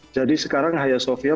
jadi sekarang hayya sofia